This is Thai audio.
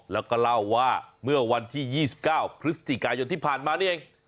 แล้วก็เล่าว่าเมื่อวันที่๒๙พฤศจิกายนที่ผ่านมานี่เอง